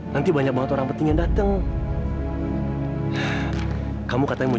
satria kok belum pulang ya kemana ya